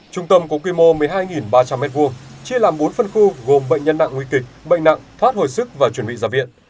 trung tâm có quy mô một mươi hai ba trăm linh m hai chia làm bốn phân khu gồm bệnh nhân nặng nguy kịch bệnh nặng thoát hồi sức và chuẩn bị ra viện